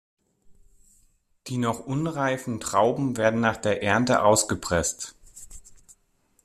Die noch unreifen Trauben werden nach der Ernte ausgepresst.